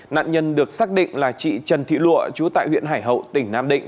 nạn nhân được xác định là chị trần thị lụa chú tại huyện hải hậu tỉnh nam định